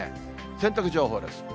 洗濯情報です。